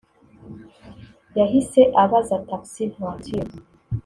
yahise abaza taxi voiture